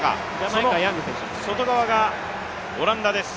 その外側がオランダです。